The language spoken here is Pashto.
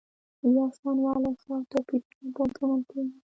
یوشانوالی ښه او توپیرونه بد ګڼل کیږي.